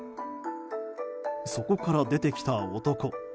そこから出てきた男。